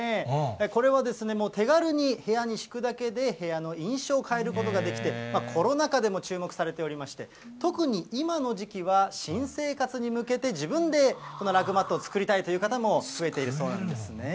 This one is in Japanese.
これはですね、手軽に部屋に敷くだけで部屋の印象を変えることができて、コロナ禍でも注目されておりまして、特に今の時期は、新生活に向けて、自分でこのラグマットを作りたいという方も増えているそうなんですね。